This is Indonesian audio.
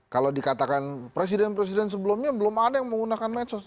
kalau dikatakan presiden presiden sebelumnya belum ada yang menggunakan medsos